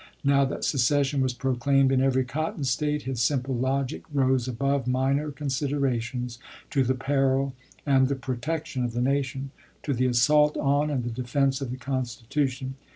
Now that secession was proclaimed in every Cotton State, his simple logic rose above minor considerations to the peril and the protec tion of the nation, to the assault on and the defense of the Constitution.